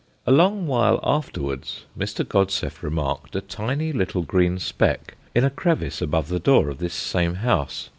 A long while afterwards Mr. Godseff remarked a tiny little green speck in a crevice above the door of this same house.